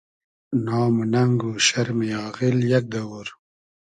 نام و نئنگ و شئرمی آغیل یئگ دئوور